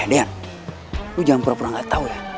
eh dean lo jangan pura pura gak tau ya